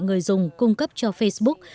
người dùng cung cấp cho facebook